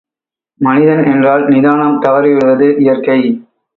மனிதன் என்றால், நிதானம் தவறி விடுவது இயற்கை.